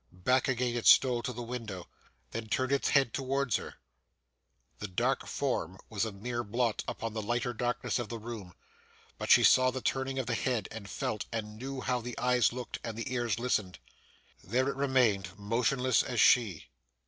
Back again it stole to the window then turned its head towards her. The dark form was a mere blot upon the lighter darkness of the room, but she saw the turning of the head, and felt and knew how the eyes looked and the ears listened. There it remained, motionless as she.